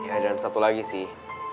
ya dan satu lagi sih